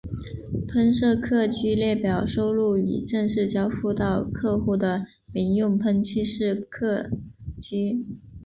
喷射客机列表收录已正式交付到客户的民用喷气式客机。